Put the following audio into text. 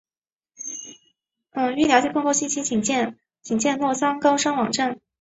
欲了解更多信息请见洛桑高商网站。